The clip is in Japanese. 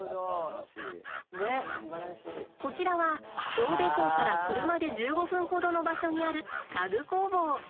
こちらは神戸港から車で１５分ほどの場所にある家具工房。